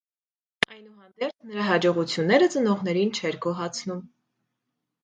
Այնուհանդերձ նրա հաջողությունները ծնողներին չէր գոհացնում։